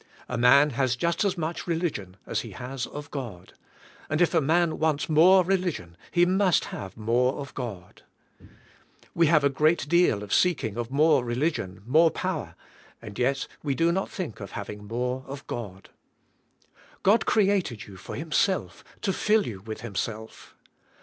A man has just as much religion as he has of God, and if a man wants more religion he must have more of God. We have a great deal of seeking of more religion, more power, and yet we do not think of having more of God. God created you for Him self to fill you with Himself.